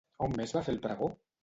On més va fer el pregó?